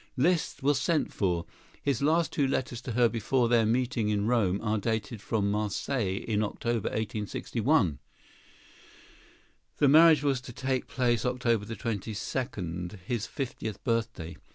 Liszt was sent for. His last two letters to her before their meeting in Rome are dated from Marseilles in October, 1861. The marriage was to take place October 22, his fiftieth birthday.